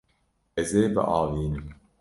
Ez ê biavînim.